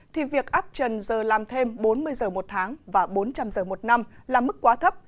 thì việc áp trần giờ làm thêm bốn mươi giờ một tháng và bốn trăm linh giờ một năm là mức quá thấp